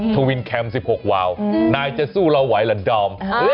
ทวินแคมป์๑๖วาวนายจะสู้เราไหวเหรอดอม